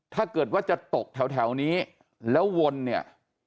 ถ้าเกิดว่าจะตกแถวนี้แล้ววนเนี่ย